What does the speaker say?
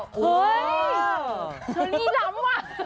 เธอนี่ล้ำว่ะ